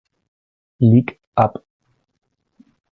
Lig ab.